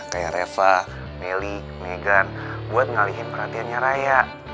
kayak reva meli megan buat ngalihin perhatiannya raya